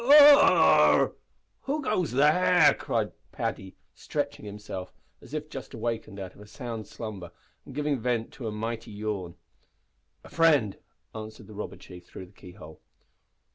"Arrah! who goes there?" cried Paddy, stretching himself, as if just awakened out of a sound slumber and giving vent to a mighty yawn. "A friend," answered the robber chief through the keyhole.